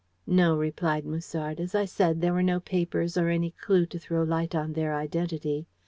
"No," replied Musard. "As I said, there were no papers or any clue to throw light on their identity.